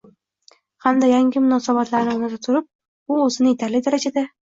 hamda yangi munosabatlarni o‘rnata turib u o‘zini yetarli darajada